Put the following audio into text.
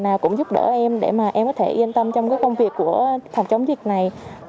nào cũng giúp đỡ em để mà em có thể yên tâm trong cái công việc của phòng chống dịch này